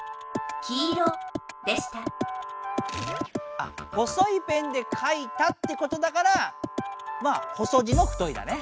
あ細いペンで書いたってことだからまあ細字の太いだね。